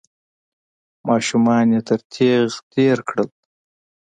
ماشومان يې تر تېغ تېر کړل.